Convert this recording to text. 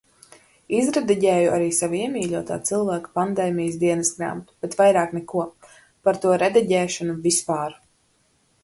Izrediģēju arī sava iemīļotā cilvēka pandēmijas dienasgrāmatu, bet vairāk neko. Par to rediģēšanu, vispār...